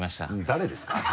誰ですか？